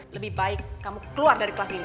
lebih baik kamu keluar dari kelas ini